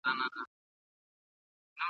ژبه زموږ وياړ دی.